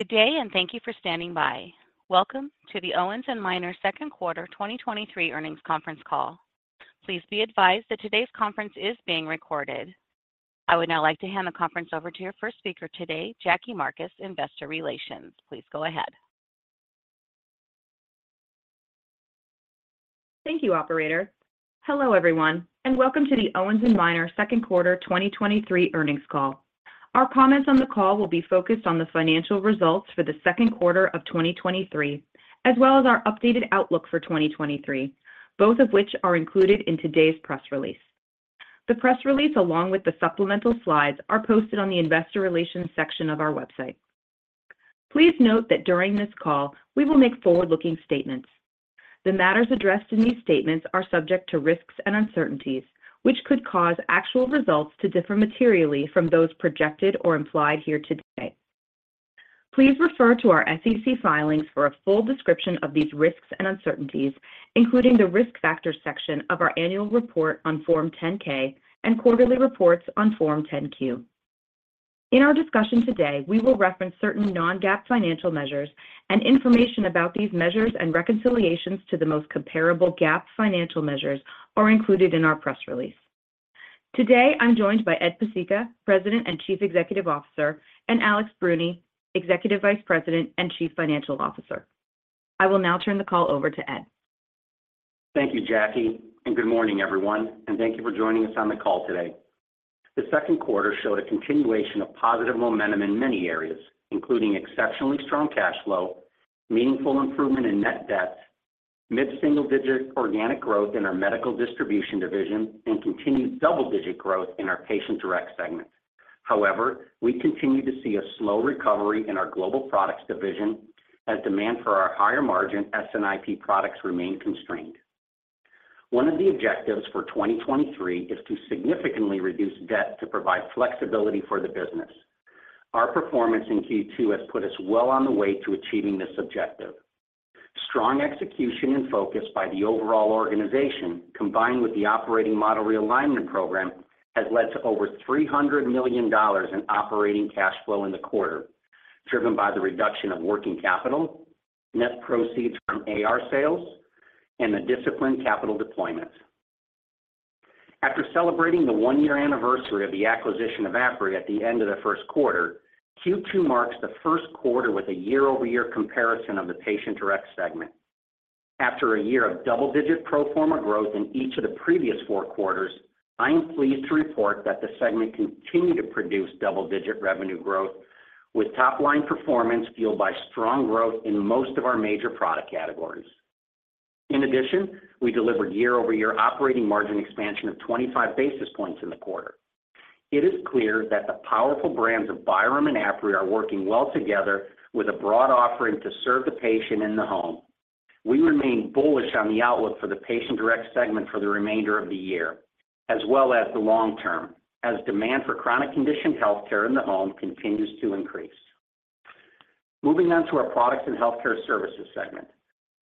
Good day, and thank you for standing by. Welcome to the Owens & Minor Second Quarter 2023 Earnings Conference Call. Please be advised that today's conference is being recorded. I would now like to hand the conference over to your first speaker today, Jackie Marcus, Investor Relations. Please go ahead. Thank you, operator. Hello, everyone, welcome to the Owens & Minor Second Quarter 2023 Earnings Call. Our comments on the call will be focused on the financial results for the second quarter of 2023, as well as our updated outlook for 2023, both of which are included in today's press release. The press release, along with the supplemental slides, are posted on the Investor Relations section of our website. Please note that during this call, we will make forward-looking statements. The matters addressed in these statements are subject to risks and uncertainties, which could cause actual results to differ materially from those projected or implied here today. Please refer to our SEC filings for a full description of these risks and uncertainties, including the Risk Factors section of our Annual Report on Form 10-K and quarterly reports on Form 10-Q. In our discussion today, we will reference certain non-GAAP financial measures and information about these measures and reconciliations to the most comparable GAAP financial measures are included in our press release. Today, I'm joined by Ed Pesicka, President and Chief Executive Officer, and Alex Bruni, Executive Vice President and Chief Financial Officer. I will now turn the call over to Ed. Thank you, Jackie, and good morning, everyone, and thank you for joining us on the call today. The second quarter showed a continuation of positive momentum in many areas, including exceptionally strong cash flow, meaningful improvement in net debt, mid-single-digit organic growth in our Medical Distribution division, and continued double-digit growth in our Patient Direct segment. However, we continue to see a slow recovery in our Global Products division as demand for our higher-margin S&IP products remain constrained. One of the objectives for 2023 is to significantly reduce debt to provide flexibility for the business. Our performance in Q2 has put us well on the way to achieving this objective. Strong execution and focus by the overall organization, combined with the Operating Model Realignment Program, has led to over $300 million in operating cash flow in the quarter, driven by the reduction of working capital, net proceeds from AR sales, and the disciplined capital deployment. After celebrating the one-year anniversary of the acquisition of Apria at the end of the first quarter, Q2 marks the first quarter with a year-over-year comparison of the Patient Direct segment. After a year of double-digit pro forma growth in each of the previous four quarters, I am pleased to report that the segment continued to produce double-digit revenue growth, with top-line performance fueled by strong growth in most of our major product categories. We delivered year-over-year operating margin expansion of 25 basis points in the quarter. It is clear that the powerful brands of Byram and Apria are working well together with a broad offering to serve the patient in the home. We remain bullish on the outlook for the Patient Direct segment for the remainder of the year, as well as the long term, as demand for chronic condition healthcare in the home continues to increase. Moving on to our Products & Healthcare Services segment.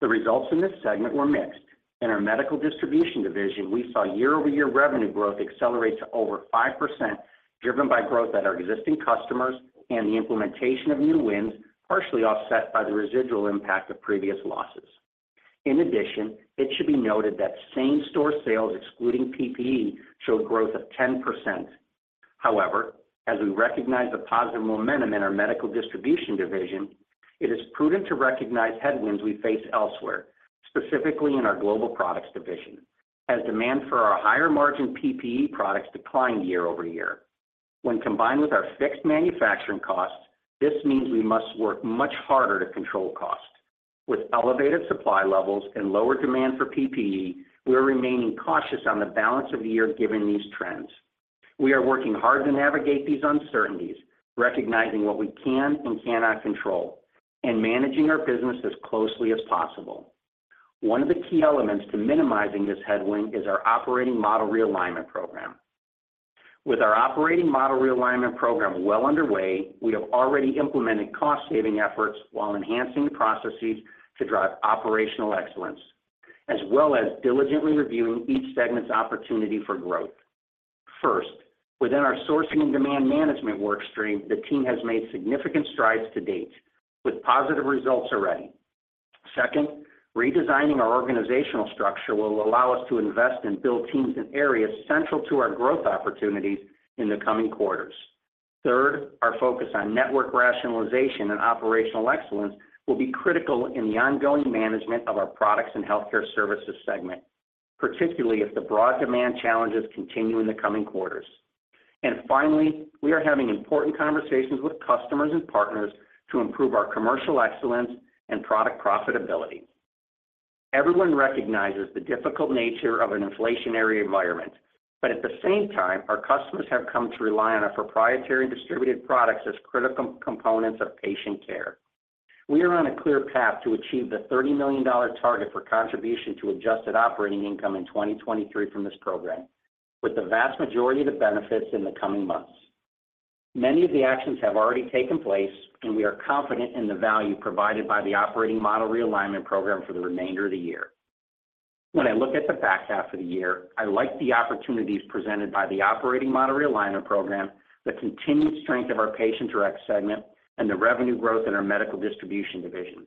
The results in this segment were mixed. In our Medical Distribution division, we saw year-over-year revenue growth accelerate to over 5%, driven by growth at our existing customers and the implementation of new wins, partially offset by the residual impact of previous losses. In addition, it should be noted that same-store sales, excluding PPE, showed growth of 10%. However, as we recognize the positive momentum in our Medical Distribution division, it is prudent to recognize headwinds we face elsewhere, specifically in our Global Products division, as demand for our higher-margin PPE products declined year-over-year. When combined with our fixed manufacturing costs, this means we must work much harder to control cost. With elevated supply levels and lower demand for PPE, we are remaining cautious on the balance of the year given these trends. We are working hard to navigate these uncertainties, recognizing what we can and cannot control, and managing our business as closely as possible. One of the key elements to minimizing this headwind is our Operating Model Realignment Program. With our Operating Model Realignment Program well underway, we have already implemented cost-saving efforts while enhancing the processes to drive operational excellence, as well as diligently reviewing each segment's opportunity for growth. First, within our sourcing and demand management work stream, the team has made significant strides to date, with positive results already. Second, redesigning our organizational structure will allow us to invest and build teams in areas central to our growth opportunities in the coming quarters. Third, our focus on network rationalization and operational excellence will be critical in the ongoing management of our Products & Healthcare Services segment, particularly as the broad demand challenges continue in the coming quarters. Finally, we are having important conversations with customers and partners to improve our commercial excellence and product profitability. Everyone recognizes the difficult nature of an inflationary environment, but at the same time, our customers have come to rely on our proprietary distributed products as critical components of patient care. We are on a clear path to achieve the $30 million target for contribution to adjusted operating income in 2023 from this program, with the vast majority of the benefits in the coming months. Many of the actions have already taken place, and we are confident in the value provided by the Operating Model Realignment Program for the remainder of the year. When I look at the back half of the year, I like the opportunities presented by the Operating Model Realignment Program, the continued strength of our Patient Direct segment, and the revenue growth in our Medical Distribution division.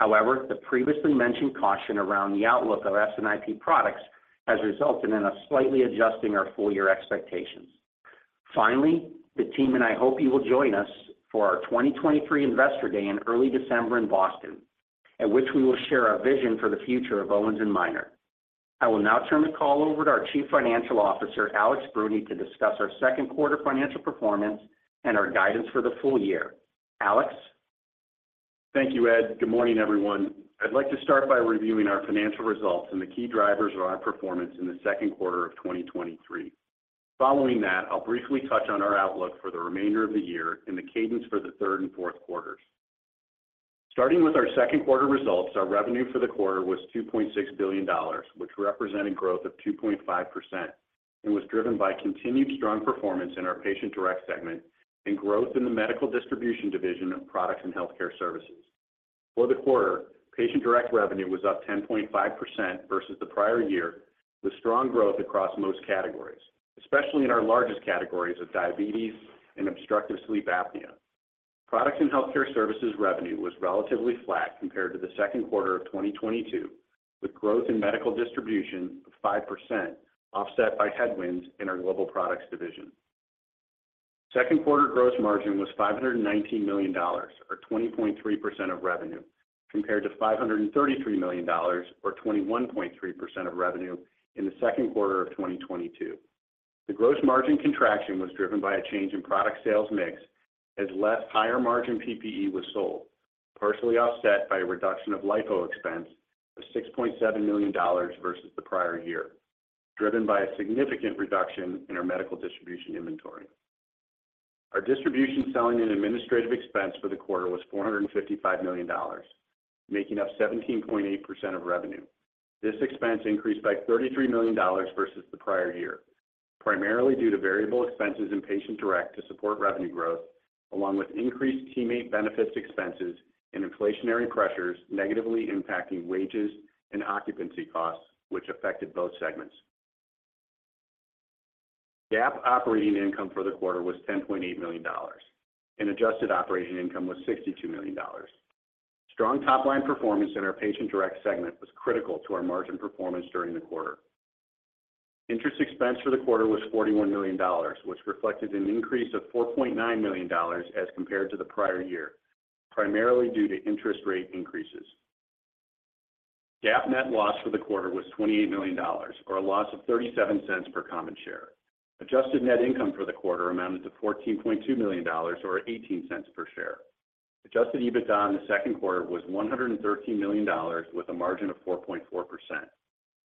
The previously mentioned caution around the outlook of S&IP products has resulted in us slightly adjusting our full year expectations. Finally, the team and I hope you will join us for our 2023 Investor Day in early December in Boston, at which we will share our vision for the future of Owens & Minor. I will now turn the call over to our Chief Financial Officer, Alex Bruni, to discuss our second quarter financial performance and our guidance for the full year. Alex? Thank you, Ed. Good morning, everyone. I'd like to start by reviewing our financial results and the key drivers of our performance in the second quarter of 2023. Following that, I'll briefly touch on our outlook for the remainder of the year and the cadence for the third and fourth quarters. Starting with our second quarter results, our revenue for the quarter was $2.6 billion, which represented growth of 2.5%, and was driven by continued strong performance in our Patient Direct segment and growth in the Medical Distribution division of Products & Healthcare Services. For the quarter, Patient Direct revenue was up 10.5% versus the prior year, with strong growth across most categories, especially in our largest categories of diabetes and obstructive sleep apnea. Products & Healthcare Services revenue was relatively flat compared to the second quarter of 2022, with growth in Medical Distribution of 5%, offset by headwinds in our Global Products division. Second quarter gross margin was $519 million, or 20.3% of revenue, compared to $533 million or 21.3% of revenue in the second quarter of 2022. The gross margin contraction was driven by a change in product sales mix, as less higher margin PPE was sold, partially offset by a reduction of LIFO expense of $6.7 million versus the prior year, driven by a significant reduction in our Medical Distribution inventory. Our distribution selling and administrative expense for the quarter was $455 million, making up 17.8% of revenue. This expense increased by $33 million versus the prior year, primarily due to variable expenses in Patient Direct to support revenue growth, along with increased teammate benefits expenses and inflationary pressures negatively impacting wages and occupancy costs, which affected both segments. GAAP operating income for the quarter was $10.8 million, and adjusted operating income was $62 million. Strong top-line performance in our Patient Direct segment was critical to our margin performance during the quarter. Interest expense for the quarter was $41 million, which reflected an increase of $4.9 million as compared to the prior year, primarily due to interest rate increases. GAAP net loss for the quarter was $28 million, or a loss of $0.37 per common share. Adjusted net income for the quarter amounted to $14.2 million, or $0.18 per share. Adjusted EBITDA in the second quarter was $113 million, with a margin of 4.4%.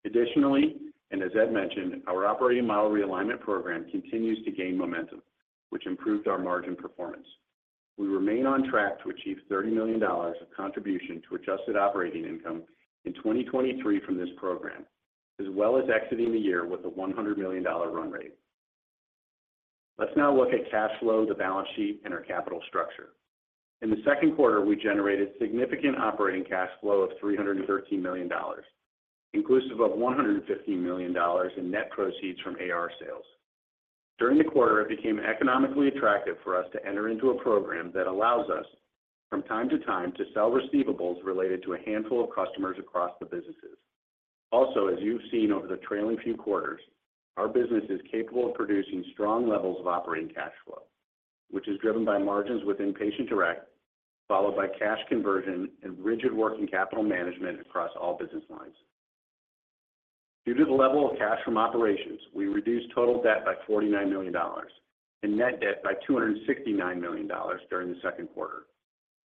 Additionally, and as Ed mentioned, our Operating Model Realignment Program continues to gain momentum, which improved our margin performance. We remain on track to achieve $30 million of contribution to adjusted operating income in 2023 from this program, as well as exiting the year with a $100 million run rate. Let's now look at cash flow, the balance sheet, and our capital structure. In the second quarter, we generated significant operating cash flow of $313 million, inclusive of $115 million in net proceeds from AR sales. During the quarter, it became economically attractive for us to enter into a program that allows us from time to time to sell receivables related to a handful of customers across the businesses. Also, as you've seen over the trailing few quarters, our business is capable of producing strong levels of operating cash flow, which is driven by margins within Patient Direct, followed by cash conversion and rigid working capital management across all business lines. Due to the level of cash from operations, we reduced total debt by $49 million and net debt by $269 million during the second quarter.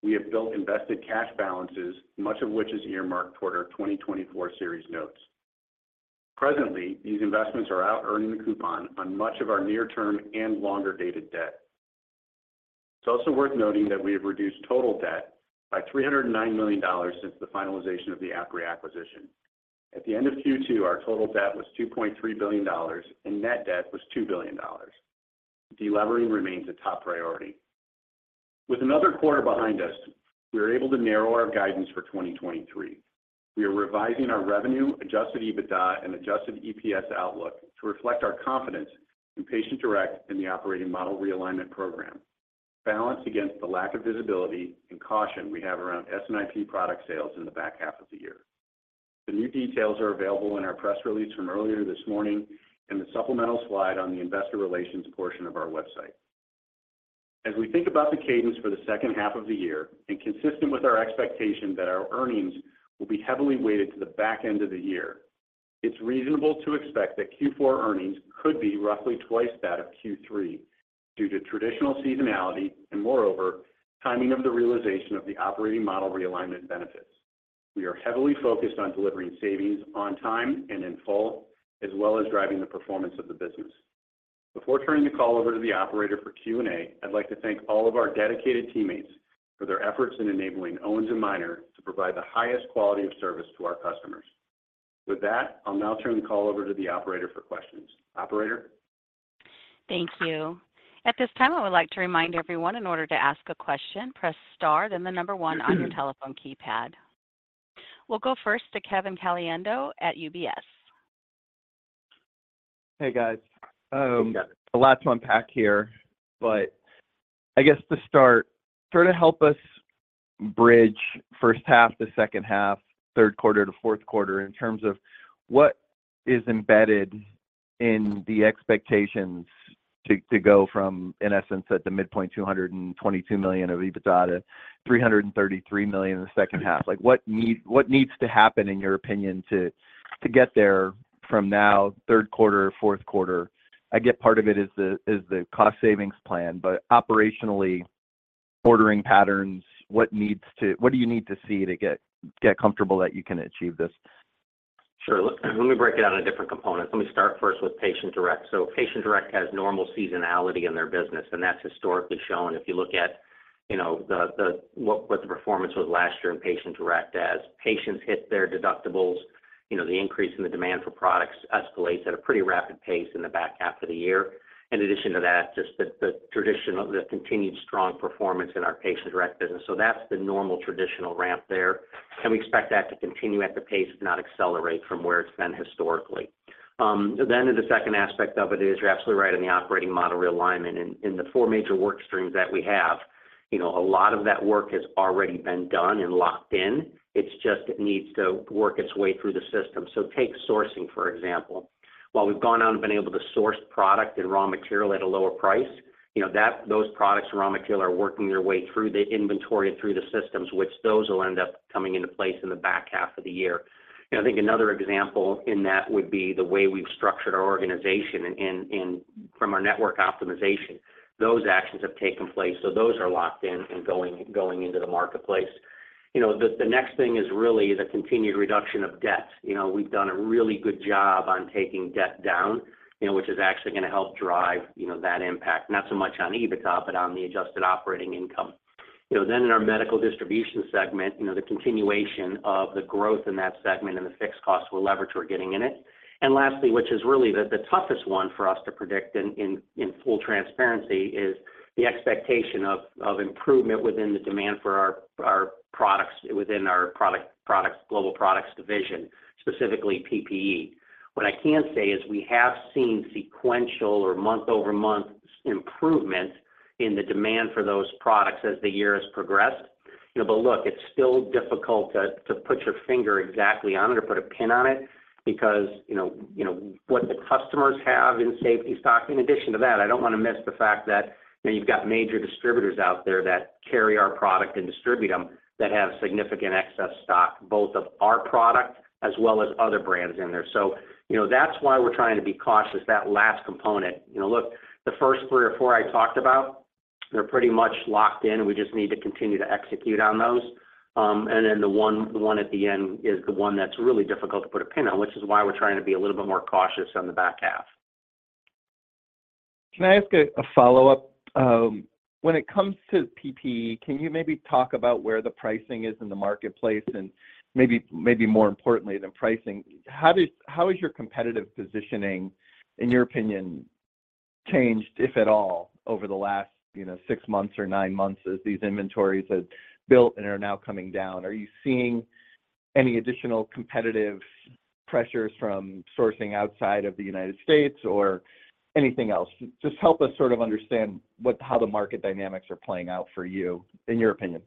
We have built invested cash balances, much of which is earmarked toward our 2024 senior notes. Presently, these investments are out earning the coupon on much of our near-term and longer-dated debt. It's also worth noting that we have reduced total debt by $309 million since the finalization of the Apria acquisition. At the end of Q2, our total debt was $2.3 billion and net debt was $2 billion. Delevering remains a top priority. With another quarter behind us, we are able to narrow our guidance for 2023. We are revising our revenue, adjusted EBITDA, and adjusted EPS outlook to reflect our confidence in Patient Direct and the Operating Model Realignment Program, balanced against the lack of visibility and caution we have around S&IP product sales in the back half of the year. The new details are available in our press release from earlier this morning and the supplemental slide on the investor relations portion of our website. As we think about the cadence for the second half of the year, and consistent with our expectation that our earnings will be heavily weighted to the back end of the year, it's reasonable to expect that Q4 earnings could be roughly twice that of Q3 due to traditional seasonality and moreover, timing of the realization of the Operating Model Realignment benefits. We are heavily focused on delivering savings on time and in full, as well as driving the performance of the business. Before turning the call over to the operator for Q&A, I'd like to thank all of our dedicated teammates for their efforts in enabling Owens & Minor to provide the highest quality of service to our customers. With that, I'll now turn the call over to the operator for questions. Operator? Thank you. At this time, I would like to remind everyone, in order to ask a question, press star, then the one on your telephone keypad. We'll go first to Kevin Caliendo at UBS. Hey, guys. A lot to unpack here, but I guess to start, sort of help us bridge first half to second half, third quarter to fourth quarter, in terms of what is embedded in the expectations to, to go from, in essence, at the midpoint, $222 million of EBITDA to $333 million in the second half? Like, what needs to happen, in your opinion, to, to get there from now, third quarter, fourth quarter? I get part of it is the, is the cost savings plan, but operationally, ordering patterns, what do you need to see to get, get comfortable that you can achieve this? Sure. Let me break it down in different components. Let me start first with Patient Direct. Patient Direct has normal seasonality in their business, and that's historically shown. If you look at, you know, the, what the performance was last year in Patient Direct. As patients hit their deductibles, you know, the increase in the demand for products escalates at a pretty rapid pace in the back half of the year. In addition to that, just the traditional the continued strong performance in our Patient Direct business. That's the normal traditional ramp there, and we expect that to continue at the pace, if not accelerate, from where it's been historically. In the second aspect of it is, you're absolutely right on the Operating Model Realignment. In the four major work streams that we have, you know, a lot of that work has already been done and locked in. It's just it needs to work its way through the system. Take sourcing, for example. While we've gone out and been able to source product and raw material at a lower price, you know, those products and raw material are working their way through the inventory and through the systems, which those will end up coming into place in the back half of the year. I think another example in that would be the way we've structured our organization and from our network optimization. Those actions have taken place, so those are locked in and going into the marketplace. You know, the next thing is really the continued reduction of debt. You know, we've done a really good job on taking debt down, you know, which is actually going to help drive, you know, that impact. Not so much on EBITDA, but on the adjusted operating income. You know, then in our Medical Distribution segment, you know, the continuation of the growth in that segment and the fixed costs we're leverage we're getting in it. Lastly, which is really the, the toughest one for us to predict in, in, in full transparency, is the expectation of, of improvement within the demand for our, our products, within our Global Products division, specifically PPE. What I can say is we have seen sequential or month-over-month improvement in the demand for those products as the year has progressed. You know, look, it's still difficult to put your finger exactly on it or put a pin on it because, you know, you know, what the customers have in safety stock. In addition to that, I don't want to miss the fact that, you know, you've got major distributors out there that carry our product and distribute them, that have significant excess stock, both of our product as well as other brands in there. You know, that's why we're trying to be cautious, that last component. You know, look, the first three or four I talked about, they're pretty much locked in. We just need to continue to execute on those. Then the one, the one at the end is the one that's really difficult to put a pin on, which is why we're trying to be a little bit more cautious on the back half. Can I ask a follow-up? When it comes to PPE, can you maybe talk about where the pricing is in the marketplace? Maybe, maybe more importantly than pricing, how has your competitive positioning, in your opinion, changed, if at all, over the last, you know, six months or nine months as these inventories have built and are now coming down? Are you seeing any additional competitive pressures from sourcing outside of the United States or anything else? Just help us sort of understand how the market dynamics are playing out for you, in your opinion.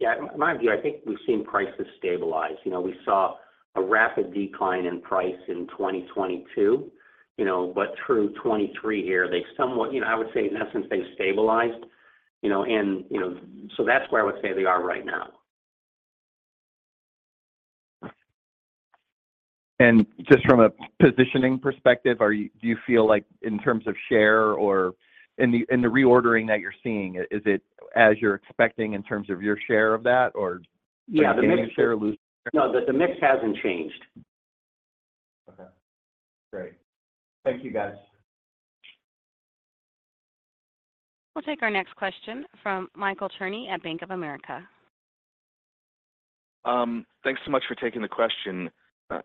Yeah, in my view, I think we've seen prices stabilize. You know, we saw a rapid decline in price in 2022, you know, but through 2023 here, they somewhat, you know, I would say, in essence, they stabilized. You know, you know, that's where I would say they are right now. Just from a positioning perspective, do you feel like in terms of share or in the reordering that you're seeing, is it as you're expecting in terms of your share of that? Yeah, the mix- Are you gaining share or losing share? No, the, the mix hasn't changed. Okay. Great. Thank you, guys. We'll take our next question from Michael Cherney at Bank of America. Thanks so much for taking the question.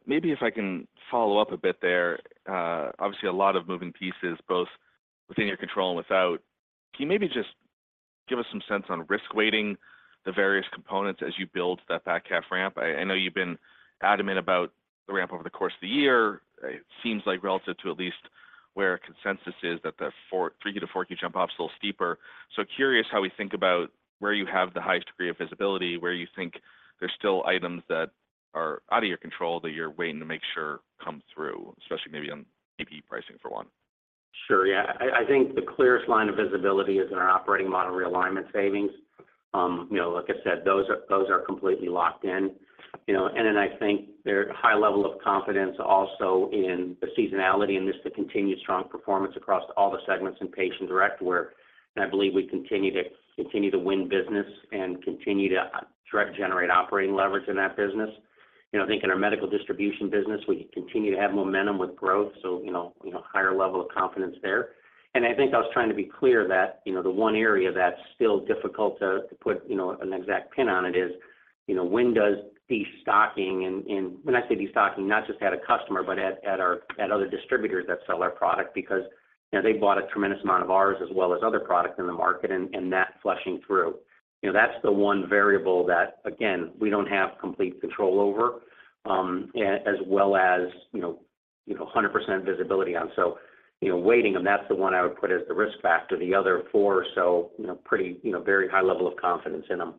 Maybe if I can follow up a bit there. Obviously, a lot of moving pieces, both within your control and without. Can you maybe just give us some sense on risk weighting the various components as you build that back half ramp? I, I know you've been adamant about the ramp over the course of the year. It seems like relative to at least where consensus is that the four, three to 4Q jump off is a little steeper. Curious how we think about where you have the highest degree of visibility, where you think there's still items that are out of your control that you're waiting to make sure come through, especially maybe on PPE pricing, for one. Sure, yeah. I think the clearest line of visibility is in our Operating Model Realignment savings. You know, like I said, those are, those are completely locked in. You know, I think there's a high level of confidence also in the seasonality and just the continued strong performance across all the segments in Patient Direct, where I believe we continue to win business and continue to drive, generate operating leverage in that business. You know, I think in our Medical Distribution business, we continue to have momentum with growth, so, you know, higher level of confidence there. I think I was trying to be clear that, you know, the one area that's still difficult to, to put, you know, an exact pin on it is, you know, when does destocking, and, and when I say destocking, not just at a customer, but at, at our- at other distributors that sell our product. They bought a tremendous amount of ours as well as other products in the market, and, and that flushing through. You know, that's the one variable that, again, we don't have complete control over, as well as, you know, you know, 100% visibility on. Weighting them, that's the one I would put as the risk factor. The other four or so, you know, pretty, you know, very high level of confidence in them.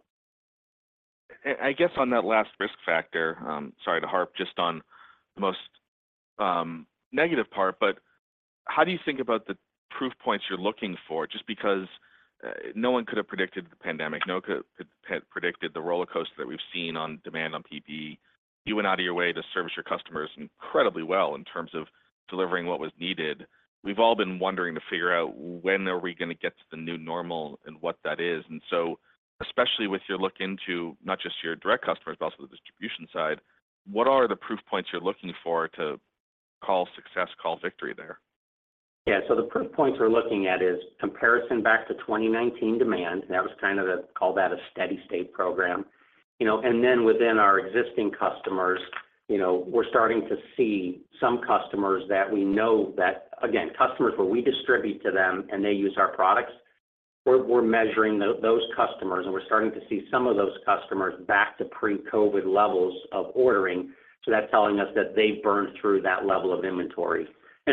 I guess on that last risk factor, sorry to harp just on the most negative part, but how do you think about the proof points you're looking for? Just because no one could have predicted the pandemic, no could have predicted the rollercoaster that we've seen on demand on PPE. You went out of your way to service your customers incredibly well in terms of delivering what was needed. We've all been wondering to figure out when are we gonna get to the new normal and what that is. Especially with your look into not just your direct customers, but also the distribution side, what are the proof points you're looking for to call success, call victory there? Yeah. The proof points we're looking at is comparison back to 2019 demand. That was kind of the, call that a steady state program. You know, then within our existing customers, you know, we're starting to see some customers that we know that, again, customers where we distribute to them and they use our products, we're, we're measuring those customers, and we're starting to see some of those customers back to pre-COVID levels of ordering. That's telling us that they've burned through that level of inventory.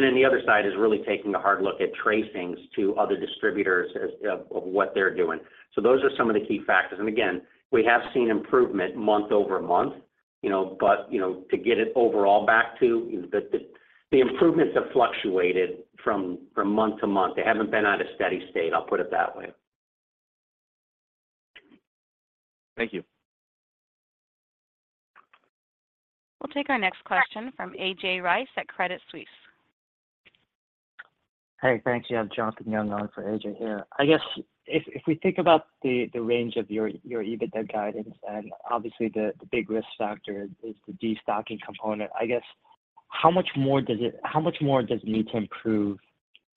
Then the other side is really taking a hard look at tracings to other distributors as of what they're doing. Those are some of the key factors. Again, we have seen improvement month-over-month, you know, but, you know, to get it overall back to the, the, the improvements have fluctuated from month to month. They haven't been at a steady state, I'll put it that way. Thank you. We'll take our next question from AJ Rice at Credit Suisse. Hey, thank you. It's Jonathan Young on for AJ here. I guess if we think about the range of your EBITDA guidance, and obviously, the big risk factor is the destocking component, I guess, how much more does it need to improve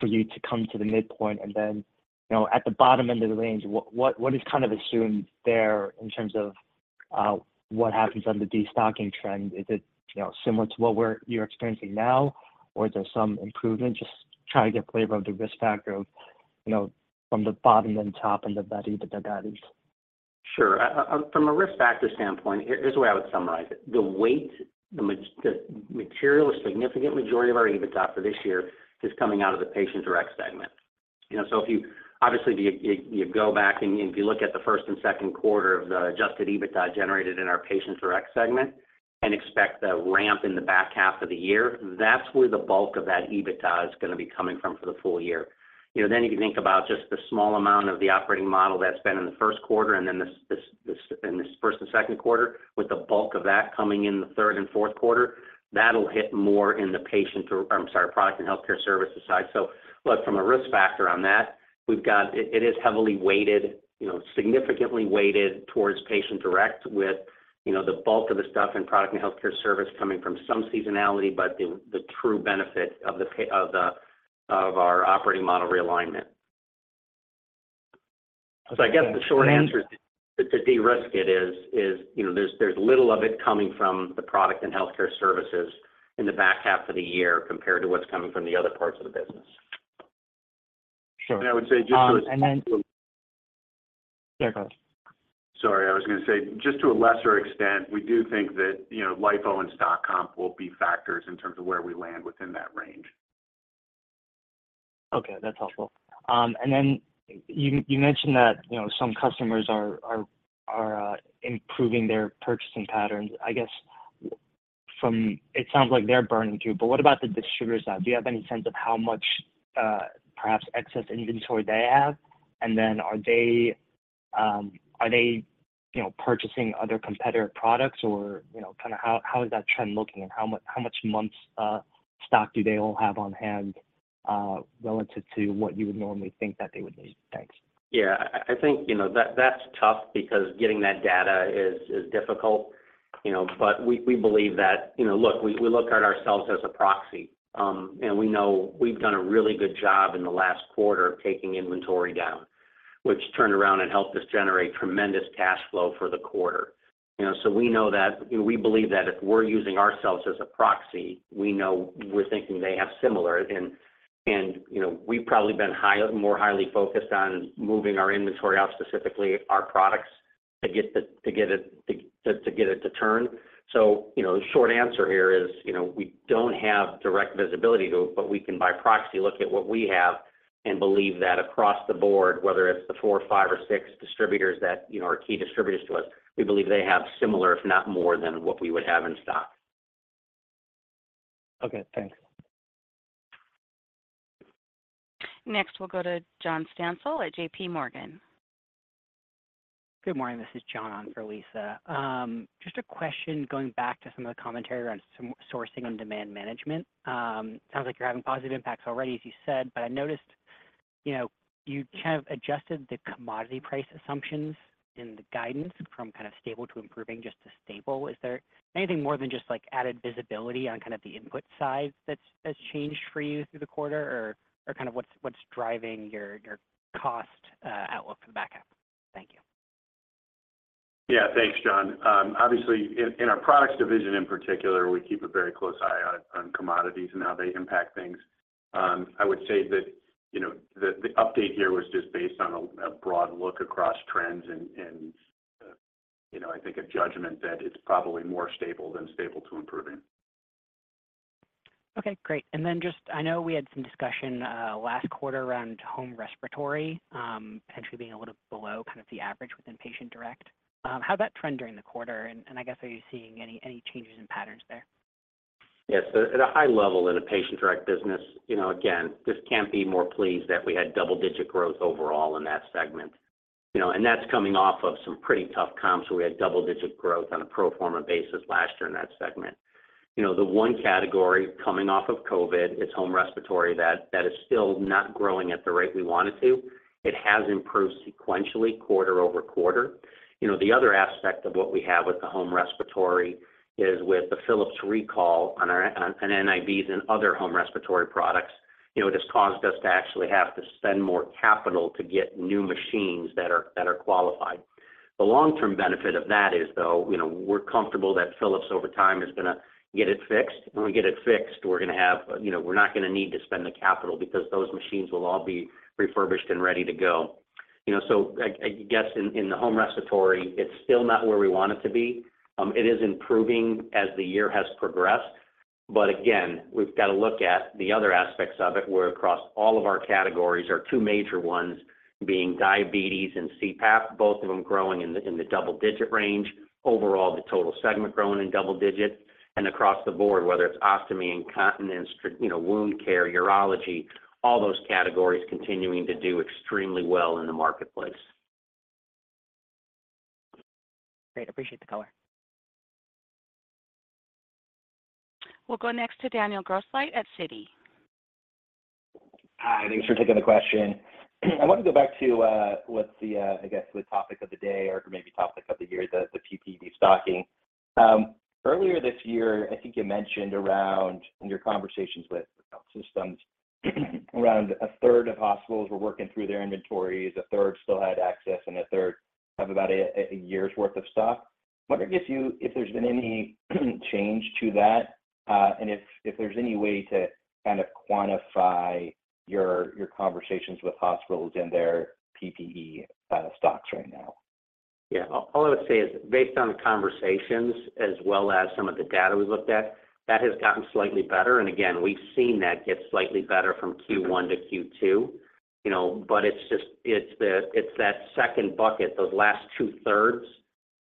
for you to come to the midpoint? Then, you know, at the bottom end of the range, what, what is kind of assumed there in terms of what happens on the destocking trend? Is it, you know, similar to what you're experiencing now, or is there some improvement? Just trying to get a flavor of the risk factor of, you know, from the bottom and top end of that EBITDA guidance. Sure. From a risk factor standpoint, here's the way I would summarize it: a significant majority of our EBITDA for this year is coming out of the Patient Direct segment. You know, if you look at the first and second quarter of the adjusted EBITDA generated in our Patient Direct segment and expect a ramp in the back half of the year, that's where the bulk of that EBITDA is gonna be coming from for the full year. You know, you can think about just the small amount of the Operating Model that's been in the first quarter and then this first and second quarter, with the bulk of that coming in the third and fourth quarter. That'll hit more in the Patient Direct- I'm sorry, Products & Healthcare Services side. Look, from a risk factor on that, we've got. It is heavily weighted, you know, significantly weighted towards Patient Direct with, you know, the bulk of the stuff in Products & Healthcare Services coming from some seasonality, but the true benefit of the Operating Model Realignment. I guess the short answer to de-risk it is, you know, there's little of it coming from the Products & Healthcare Services in the back half of the year, compared to what's coming from the other parts of the business. Sure. I would say just to. Then, yeah, go. Sorry, I was gonna say, just to a lesser extent, we do think that, you know, LIFO and stock comp will be factors in terms of where we land within that range. Okay, that's helpful. Then you, you mentioned that, you know, some customers are, are, are improving their purchasing patterns. I guess from. It sounds like they're burning through, but what about the distributors side? Do you have any sense of how much perhaps excess inventory they have? Then are they, are they, you know, purchasing other competitor products or, you know, kind of how, how is that trend looking, and how much, how much months stock do they all have on hand relative to what you would normally think that they would need? Thanks. Yeah, I, I think, you know, that's tough because getting that data is, is difficult, you know. We, we believe that, you know, look, we, we look at ourselves as a proxy, and we know we've done a really good job in the last quarter of taking inventory down, which turned around and helped us generate tremendous cash flow for the quarter. We know that, you know, we believe that if we're using ourselves as a proxy, we know we're thinking they have similar. We've probably been more highly focused on moving our inventory out, specifically our products, to get it to turn. You know, the short answer here is, you know, we don't have direct visibility to, but we can, by proxy, look at what we have and believe that across the board, whether it's the four, five, or six distributors that, you know, are key distributors to us, we believe they have similar, if not more than what we would have in stock. Okay, thanks. We'll go to John Stansel at J.P. Morgan. Good morning. This is John on for Lisa. Just a question going back to some of the commentary around some sourcing on demand management. Sounds like you're having positive impacts already, as you said, but you know, you have adjusted the commodity price assumptions in the guidance from kind of stable to improving, just to stable. Is there anything more than just, like, added visibility on kind of the input side that's, that's changed for you through the quarter or, or kind of what's, what's driving your, your cost outlook for the back half? Thank you. Yeah, thanks, John. Obviously, in our products division in particular, we keep a very close eye on commodities and how they impact things. I would say that, you know, the update here was just based on a broad look across trends and, you know, I think a judgment that it's probably more stable than stable to improving. Okay, great. Just I know we had some discussion last quarter around home respiratory potentially being a little below kind of the average within Patient Direct. How'd that trend during the quarter? I guess, are you seeing any changes in patterns there? At a high level, in the Patient Direct business, you know, again, just can't be more pleased that we had double-digit growth overall in that segment. That's coming off of some pretty tough comps, so we had double-digit growth on a pro forma basis last year in that segment. The one category coming off of COVID, it's home respiratory, that, that is still not growing at the rate we want it to. It has improved sequentially, quarter-over-quarter. The other aspect of what we have with the home respiratory is with the Philips recall on our, on, on NIVs and other home respiratory products, you know, it has caused us to actually have to spend more capital to get new machines that are, that are qualified. The long-term benefit of that is, though, you know, we're comfortable that Philips over time is going to get it fixed. When we get it fixed, we're going to have... You know, we're not going to need to spend the capital because those machines will all be refurbished and ready to go. You know, so I, I guess in, in the home respiratory, it's still not where we want it to be. It is improving as the year has progressed, but again, we've got to look at the other aspects of it, where across all of our categories, our two major ones being diabetes and CPAP, both of them growing in the, in the double-digit range. Overall, the total segment growing in double digits, and across the board, whether it's ostomy, incontinence, you know, wound care, urology, all those categories continuing to do extremely well in the marketplace. Great. Appreciate the color. We'll go next to Daniel Grosslight at Citi. Hi, thanks for taking the question. I want to go back to what's the I guess the topic of the day or maybe topic of the year, the the PPE stocking. Earlier this year, I think you mentioned around, in your conversations with health systems, around a third of hospitals were working through their inventories, a third still had access, and a third have about a year's worth of stock. I wonder if there's been any change to that, and if there's any way to kind of quantify your conversations with hospitals and their PPE stocks right now? Yeah. All, all I would say is, based on the conversations as well as some of the data we looked at, that has gotten slightly better. Again, we've seen that get slightly better from Q1 to Q2, you know, it's just it's that second bucket, those last two-thirds,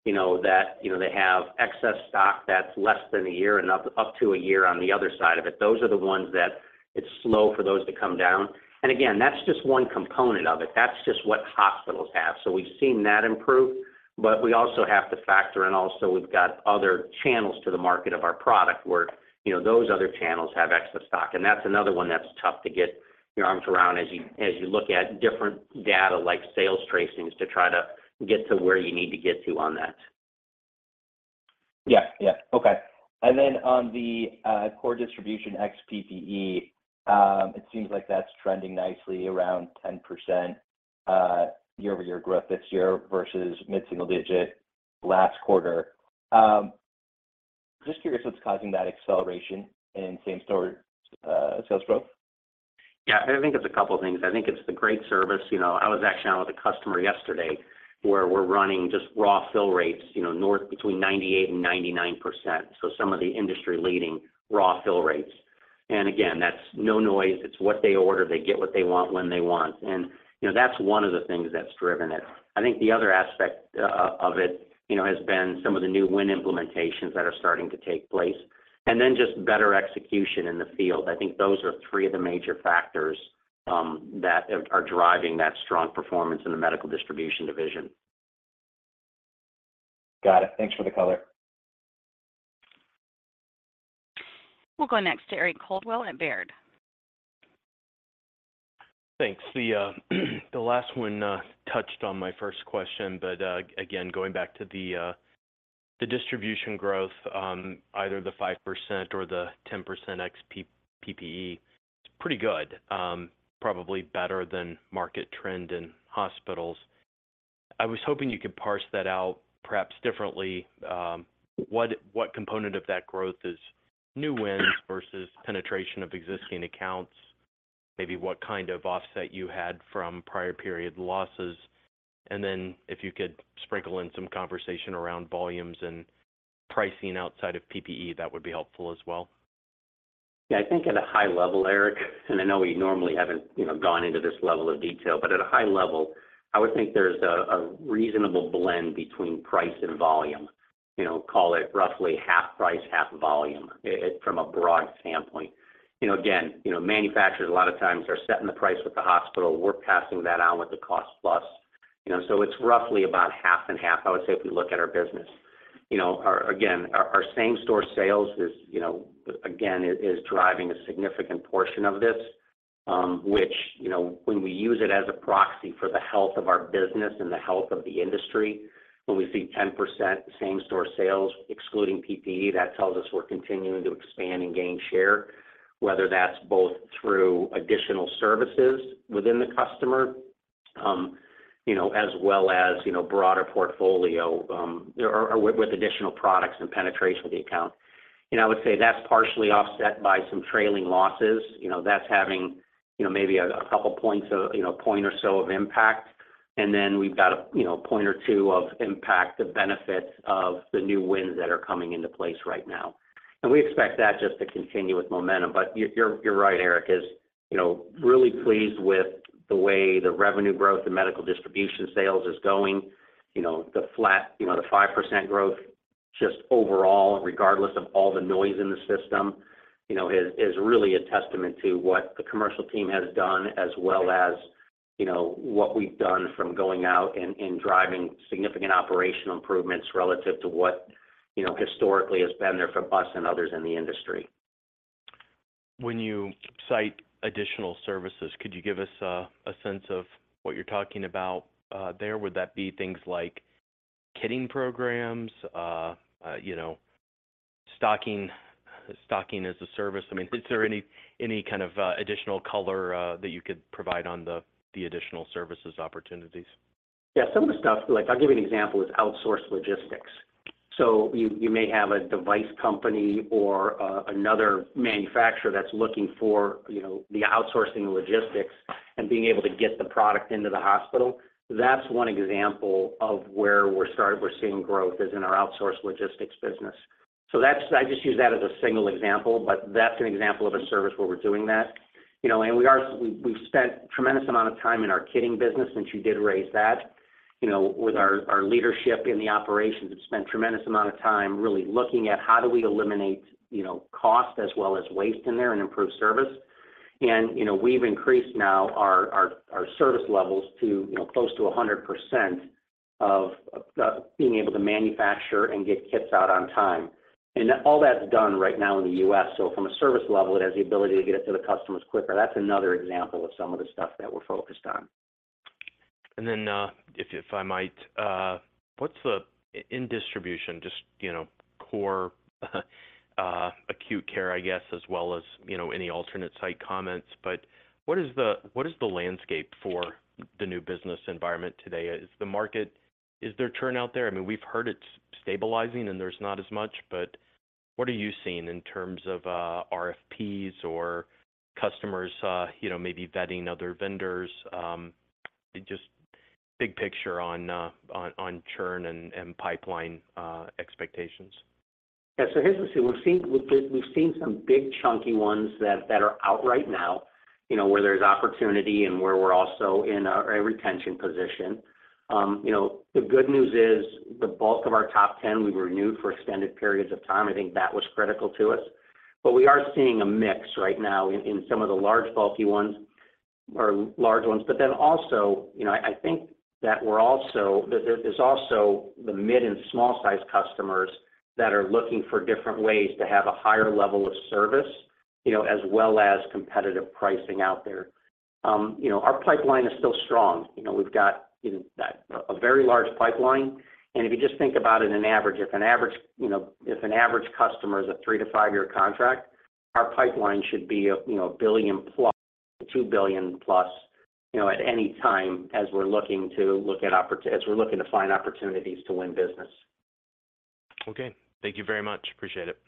you know, that, you know, they have excess stock that's less than a year and up, up to a year on the other side of it. Those are the ones that it's slow for those to come down. Again, that's just one component of it. That's just what hospitals have. We've seen that improve. We also have to factor in also, we've got other channels to the market of our product where, you know, those other channels have excess stock. That's another one that's tough to get your arms around as you, as you look at different data, like sales tracings, to try to get to where you need to get to on that. Yeah. Yeah. Okay. Then on the core distribution ex PPE, it seems like that's trending nicely around 10% year-over-year growth this year versus mid-single digit last quarter. Just curious what's causing that acceleration in same-store sales growth? Yeah. I think it's a couple of things. I think it's the great service. You know, I was actually out with a customer yesterday, where we're running just raw fill rates, you know, north between 98% and 99%, so some of the industry-leading raw fill rates. Again, that's no noise. It's what they order. They get what they want when they want, you know, that's one of the things that's driven it. I think the other aspect of it, you know, has been some of the new win implementations that are starting to take place, then just better execution in the field. I think those are three of the major factors that are driving that strong performance in the Medical Distribution division. Got it. Thanks for the color. We'll go next to Eric Coldwell at Baird. Thanks. The last one touched on my first question, but again, going back to the distribution growth, either the 5% or the 10% ex PPE, it's pretty good, probably better than market trend in hospitals. I was hoping you could parse that out perhaps differently. What component of that growth is new wins versus penetration of existing accounts? Maybe what kind of offset you had from prior period losses, and then if you could sprinkle in some conversation around volumes and pricing outside of PPE, that would be helpful as well. I think at a high level, Eric, I know we normally haven't, you know, gone into this level of detail, but at a high level, I would think there's a reasonable blend between price and volume. You know, call it roughly half price, half volume from a broad standpoint. You know, again, you know, manufacturers, a lot of times, are setting the price with the hospital. We're passing that on with the cost-plus. You know, it's roughly about half and half, I would say, if we look at our business. You know, our, again, our, our same-store sales is, you know, again, is, is driving a significant portion of this, which, you know, when we use it as a proxy for the health of our business and the health of the industry, when we see 10% same-store sales, excluding PPE, that tells us we're continuing to expand and gain share, whether that's both through additional services within the customer, you know, as well as, you know, broader portfolio, or, or with, with additional products and penetration of the account. You know, I would say that's partially offset by some trailing losses. You know, that's having, you know, maybe a couple points of, you know, point or so of impact. Then we've got, you know, point or two of impact, the benefits of the new wins that are coming into place right now. We expect that just to continue with momentum. You're, you're, you're right, Eric, is, you know, really pleased with the way the revenue growth and Medical Distribution sales is going. You know, the flat, you know, the 5% growth, just overall, regardless of all the noise in the system, you know, is, is really a testament to what the commercial team has done, as well as, you know, what we've done from going out and, and driving significant operational improvements relative to what, you know, historically has been there for us and others in the industry. When you cite additional services, could you give us a, a sense of what you're talking about there? Would that be things like kitting programs, you know, stocking, stocking as a service? I mean, is there any, any kind of additional color that you could provide on the, the additional services opportunities? Yeah, some of the stuff, like I'll give you an example, is outsourced logistics. You, you may have a device company or another manufacturer that's looking for, you know, the outsourcing logistics and being able to get the product into the hospital. That's one example of where we're seeing growth, is in our outsourced logistics business. That's I just use that as a single example, but that's an example of a service where we're doing that. You know, we've spent tremendous amount of time in our kitting business, since you did raise that. You know, with our leadership in the operations, we've spent tremendous amount of time really looking at how do we eliminate, you know, cost as well as waste in there and improve service. You know, we've increased now our, our, our service levels to, you know, close to 100% of being able to manufacture and get kits out on time. All that's done right now in the U.S. From a service level, it has the ability to get it to the customers quicker. That's another example of some of the stuff that we're focused on. Then, if, if I might, what's the, in distribution, just, you know, core, acute care, I guess, as well as, you know, any alternate site comments, but what is the, what is the landscape for the new business environment today? Is the market, is there churn out there? I mean, we've heard it's stabilizing and there's not as much, but what are you seeing in terms of, RFPs or customers, you know, maybe vetting other vendors? Just big picture on, on, on churn and, and pipeline, expectations. Yeah. Here's the thing. We've seen, we've, we've seen some big, chunky ones that, that are out right now, you know, where there's opportunity and where we're also in a, a retention position. You know, the good news is, the bulk of our top 10, we renewed for extended periods of time. I think that was critical to us. We are seeing a mix right now in, in some of the large, bulky ones or large ones. Also, you know, I think that we're also, there's also the mid and small-sized customers that are looking for different ways to have a higher level of service, you know, as well as competitive pricing out there. You know, our pipeline is still strong. You know, we've got a very large pipeline, and if you just think about it, an average, if an average, you know, if an average customer is a three to five-year contract, our pipeline should be, you know, $1 billion+, $2 billion+, you know, at any time as we're looking to look at as we're looking to find opportunities to win business. Okay. Thank you very much. Appreciate it.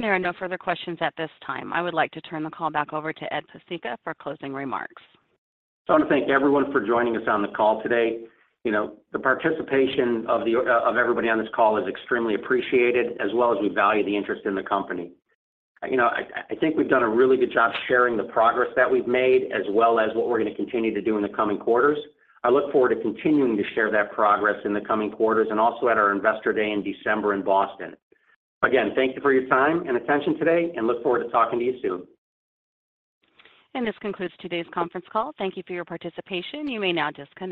There are no further questions at this time. I would like to turn the call back over to Ed Pesicka for closing remarks. I wanna thank everyone for joining us on the call today. You know, the participation of the, of everybody on this call is extremely appreciated, as well as we value the interest in the company. You know, I, I think we've done a really good job sharing the progress that we've made, as well as what we're gonna continue to do in the coming quarters. I look forward to continuing to share that progress in the coming quarters, and also at our Investor Day in December in Boston. Again, thank you for your time and attention today, and look forward to talking to you soon. This concludes today's conference call. Thank you for your participation. You may now disconnect.